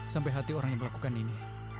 sampai hati orang yang melakukan ini